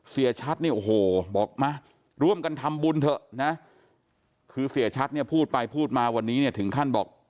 เสียชัดเนี่ยโอ้โหบอกมาร่วมกันทำบุญเถอะนะคือเสียชัดเนี่ยพูดไปพูดมาวันนี้เนี่ยถึงขั้นบอก